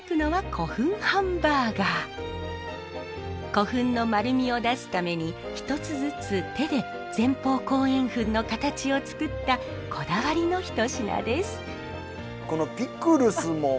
古墳の丸みを出すために一つずつ手で前方後円墳の形を作ったこだわりの一品です。